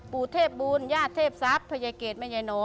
ปู่เทพบุญญาติเทพทรัพย์พระยายเกรตมันยายหนอม